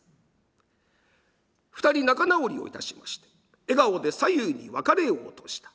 ２人仲直りをいたしまして笑顔で左右に別れようとした。